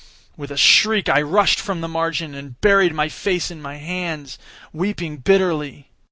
With a shriek, I rushed from the margin, and buried my face in my hands—weeping bitterly.